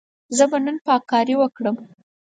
زه به نن پاککاري وکړم.